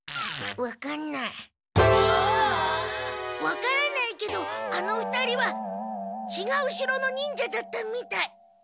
わからないけどあの２人はちがう城の忍者だったみたい。